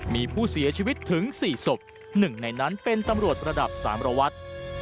มีผู้เสียชีวิตถึง๔ศพหนึ่งในนั้นเป็นตำรวจระดับสารวัตร